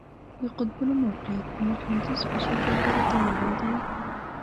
د قطبونو موقیعت په مقناطیس په شکل پورې تړلی دی.